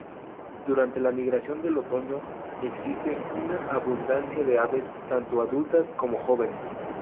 Durante la migración del otoño, existe una abundancia de aves, tanto adultas como jóvenes.